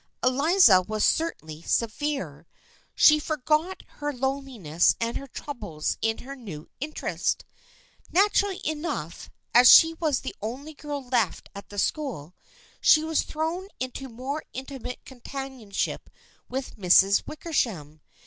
Eliza was certainly " severe." She forgot her loneliness and her troubles in her new interest. Naturally enough, as she was the only girl left at the school, she was thrown into more intimate companionship with the Misses Wickersham.